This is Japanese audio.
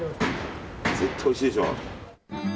絶対おいしいでしょう。